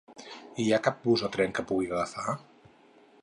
Hi ha cap bus o tren que pugui agafar?